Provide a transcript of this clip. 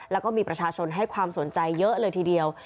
แล้วก็มีประชาชนให้ความสนใจเยอะเลยทีเดียว